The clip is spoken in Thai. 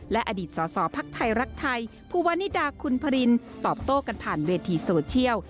และอดีตสอสอภักดิ์ไทยรักไทยภูวานิดาคุณพรินตอบโต้กันผ่านเวทีโซเชียล